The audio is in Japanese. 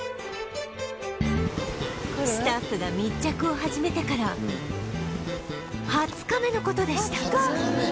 スタッフが密着を始めてから２０日目の事でした